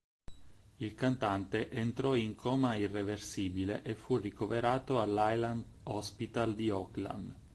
Il cantante entrò in coma irreversibile e fu ricoverato al Highland Hospital di Oakland.